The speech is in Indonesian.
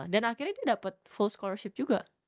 dan akhirnya dia dapet full scholarship juga